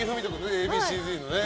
Ａ．Ｂ．Ｃ‐Ｚね。